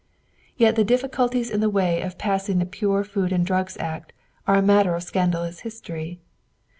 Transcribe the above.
Yet the difficulties in the way of passing the Pure Food and Drugs Act are a matter of scandalous history.